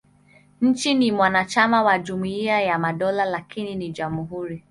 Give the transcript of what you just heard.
Nchi ni mwanachama wa Jumuiya ya Madola, lakini ni jamhuri.